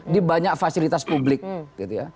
di banyak fasilitas publik gitu ya